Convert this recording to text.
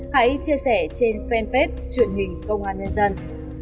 hãy chia sẻ trên fanpage truyền hình công an nhân dân